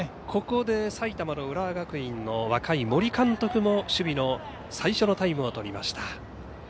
ここで埼玉の浦和学院の若い森監督も守備の最初のタイムをとりました。